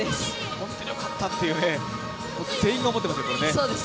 本当によかったって全員が思ってますよね。